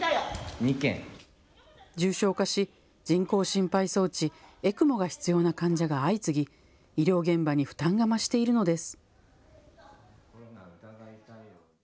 重症化し、人工心肺装置・ＥＣＭＯが必要な患者が相次ぎ医療現場に負担が増しているのです。